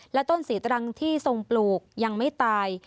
และต้นศรีตรังที่ทรงปลูกยังไม่ตาย